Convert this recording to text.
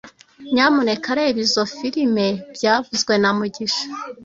Nyamuneka reba izoi firime byavuzwe na mugisha